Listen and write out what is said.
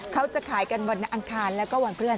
เขาจะขายกันวันอังคารแล้วก็วันเพื่อน